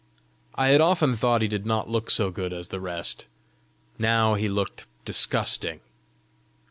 I had often thought he did not look so good as the rest; now he looked disgusting.